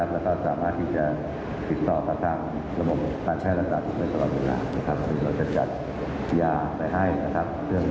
แต่ถ้ามีอาการเพิ่มราดขึ้น